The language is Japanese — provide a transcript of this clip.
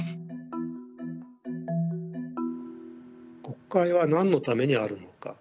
国会は何のためにあるのか。